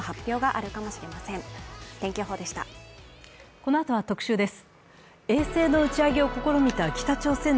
このあとは「特集」です。